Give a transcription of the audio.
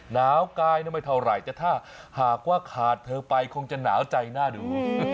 หนาวกายไม่เท่าไหร่แต่ถ้าหากว่าขาดเธอไปคงจะหนาวใจน่าดู